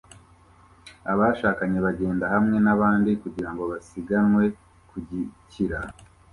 Abashakanye bagenda hamwe nabandi kugirango basiganwe gukira